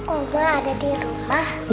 oma ada di rumah